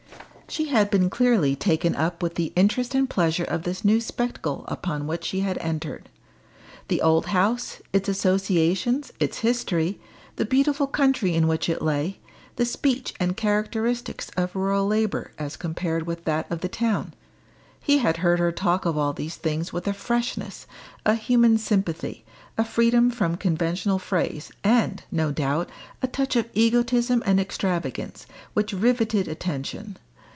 She had been clearly taken up with the interest and pleasure of this new spectacle upon which she had entered. The old house, its associations, its history, the beautiful country in which it lay, the speech and characteristics of rural labour as compared with that of the town, he had heard her talk of all these things with a freshness, a human sympathy, a freedom from conventional phrase, and, no doubt, a touch of egotism and extravagance, which rivetted attention.